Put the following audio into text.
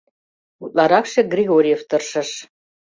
Утларакше Григорьев тыршыш.